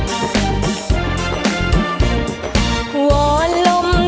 แชมป์สายนี้มันก็น่าจะไม่ไกลมือเราสักเท่าไหร่ค่ะ